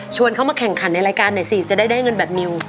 ชวนเข้ามาแข่งขันในรายการไหนสิจะได้เงินแบบนิว